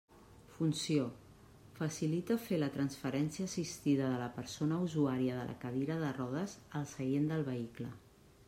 Funció: facilita fer la transferència assistida de la persona usuària de la cadira de rodes al seient del vehicle.